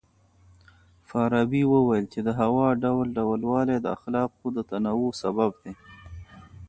فارابي وويل چي د هوا ډول ډول والی د اخلاقو د تنوع سبب دی.